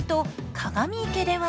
鏡池では。